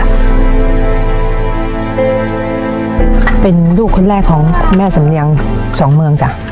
เป็นลูกคนแรกของคุณแม่สำเนียงสองเมืองจ้ะ